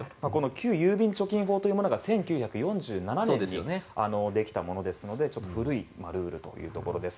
旧郵便貯金法というものが１９４７年にできたものなのでちょっと古いルールというところです。